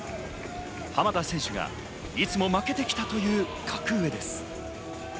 浜田選手がいつも負けてきたという格上です。